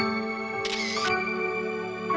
ini buat lo